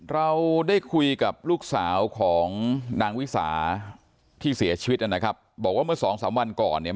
เราได้คุยกับลูกสาวของนางวิสาที่เสียชีวิตนะครับบอกว่าเมื่อสองสามวันก่อนเนี่ย